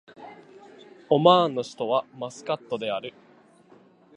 オマーンの首都はマスカットである